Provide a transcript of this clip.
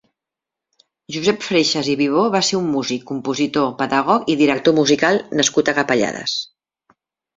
Josep Freixas i Vivó va ser un músic, compositor, pedagog i director musical nascut a Capellades.